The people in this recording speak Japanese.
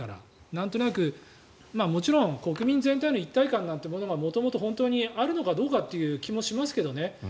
なんとなくもちろん、国民全体の一体感というものが元々本当にあるのかという気がしますけどね。